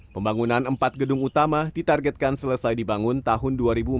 pembangunan empat gedung utama ditargetkan selesai dibangun tahun dua ribu empat puluh